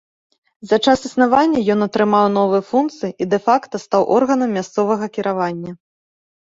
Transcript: За час існавання ён атрымаў новыя функцыі і дэ-факта стаў органам мясцовага кіравання.